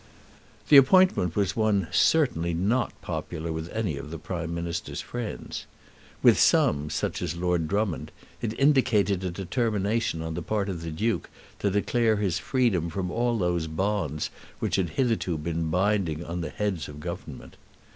The appointment was one certainly not popular with any of the Prime Minister's friends. With some, such as Lord Drummond, it indicated a determination on the part of the Duke to declare his freedom from all those bonds which had hitherto been binding on the Heads of Government.